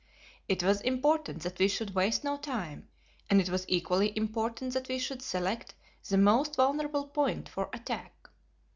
It was important that we should waste no time, and it was equally important that we should select the most vulnerable point for attack.